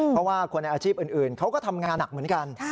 เพราะว่าคนในอาชีพอื่นเขาก็ทำงานหนักเหมือนกัน